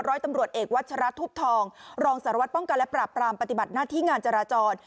ร้อยตำรวจเอกวัชระทุบทองรองสารวัตรป้องกันและปราบปรามปฏิบัติหน้าที่งานจราจร